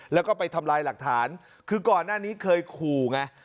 แล้วก็ไปทำลายหลักฐานคือก่อนหน้านี้เคยขู่ไง